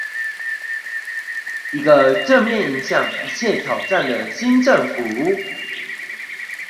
一個正面迎向一切挑戰的新政府